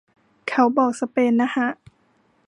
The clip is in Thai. เขาบอกสเปนนะฮะ